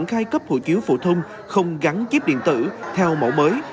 khi cấp hộ chiếu phổ thông không gắn chiếc điện tử theo mẫu mới